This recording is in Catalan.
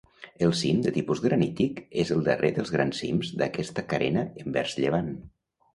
El cim, de tipus granític, és el darrer dels grans cims d'aquesta carena envers llevant.